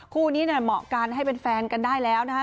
คู่นี้เนี่ยเหมาะกันให้เป็นแฟนกันได้แล้วนะฮะ